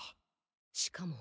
しかも。